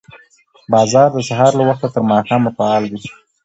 بازار د سهار له وخته تر ماښامه فعال وي